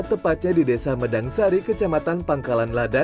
tepatnya di desa medangsari kecamatan pangkalan lada